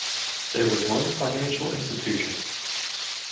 There was one financial institution.